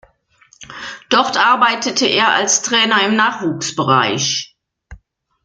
Dort arbeitete er als Trainer im Nachwuchsbereich.